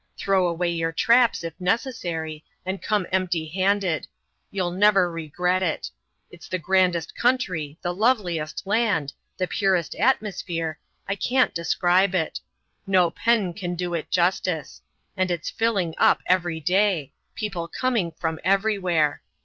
Throw away your traps, if necessary, and come empty handed. You'll never regret it. It's the grandest country the loveliest land the purest atmosphere I can't describe it; no pen can do it justice. And it's filling up, every day people coming from everywhere.